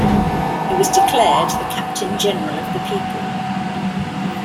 He was declared the "Captain General of the People".